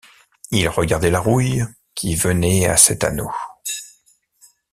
Il regardait la rouille qui venait à cet anneau.